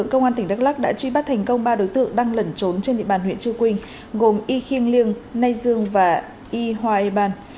vào sáng ngày hai mươi một tháng bảy lực lượng công an tp hcm đã truy bắt thành công ba đối tượng đang lẩn trốn trên địa bàn huyện chư quỳnh gồm y khiêng liêng nay dương và y hoa e ban